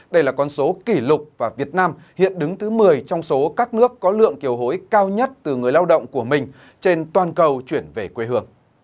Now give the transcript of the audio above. đây là con số kỷ lục và việt nam hiện đứng thứ một mươi trong số các nước có lượng kiều hối cao nhất từ người lao động của mình trên toàn cầu chuyển về quê hương